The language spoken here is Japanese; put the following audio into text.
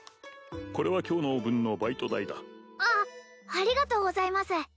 これは今日の分のバイト代だああありがとうございます